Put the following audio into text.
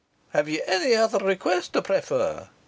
"Have you any other request to prefer?"